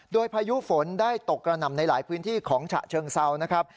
โดยพายุฝนได้ตกกระหน่ำในหลายพื้นที่ของฉะเชิงเซานะครับ